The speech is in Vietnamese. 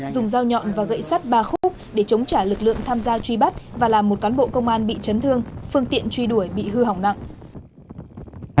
dùng dao nhọn và gậy sắt ba khúc để chống trả lực lượng tham gia truy bắt và làm một cán bộ công an bị chấn thương phương tiện truy đuổi bị hư hỏng nặng